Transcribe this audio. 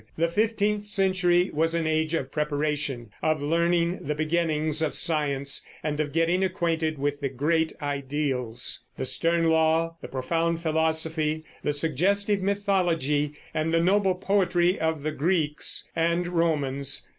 The fifteenth century was an age of preparation, of learning the beginnings of science, and of getting acquainted with the great ideals, the stern law, the profound philosophy, the suggestive mythology, and the noble poetry of the Greeks and Romans.